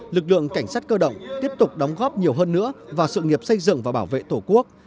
lực lượng cảnh sát cơ động tiếp tục đóng góp nhiều hơn nữa vào sự nghiệp xây dựng và bảo vệ tổ quốc